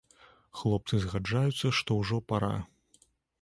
Хлопцы згаджаюцца, што ўжо пара.